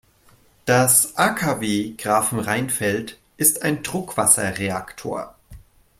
Das AKW Grafenrheinfeld ist ein Druckwasserreaktor.